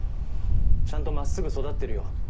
ちゃんと真っすぐ育ってるよ。